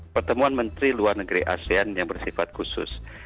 pertemuan menteri luar negeri asean yang bersifat khusus